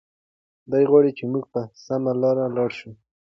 دی غواړي چې موږ په سمه لاره لاړ شو.